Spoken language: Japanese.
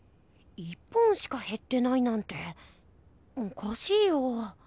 １本しかへってないなんておかしいよ。